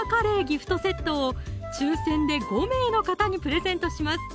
ギフトセットを抽選で５名の方にプレゼントします